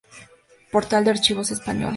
Portal de Archivos Españoles.